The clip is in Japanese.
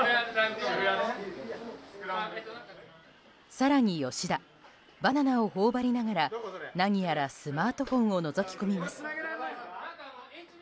更に、吉田バナナを頬張りながら何やらスマートフォンをのぞき込みます。